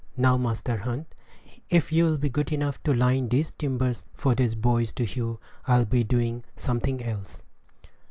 Now, Master Hunt, if you'll be good enough to line these timbers for these boys to hew, I'll be doing something else."